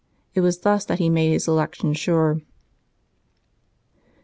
It was thus that he made his election sure.